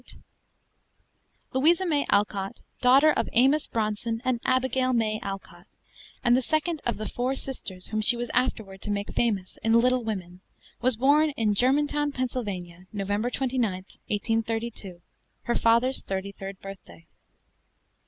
Alcott] Louisa May Alcott, daughter of Amos Bronson and Abigail (May) Alcott, and the second of the four sisters whom she was afterward to make famous in 'Little Women,' was born in Germantown, Pennsylvania, November 29th, 1832, her father's thirty third birthday.